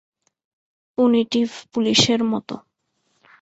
Punitive পুলিসের মতো।